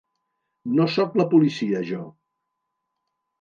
No soc la policia, jo.